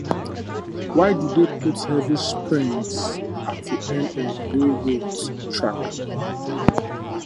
Why do they put heavy springs at the ends of railroad tracks?